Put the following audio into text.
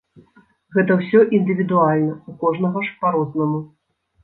Гэта ўсё індывідуальна, у кожнага ж па-рознаму.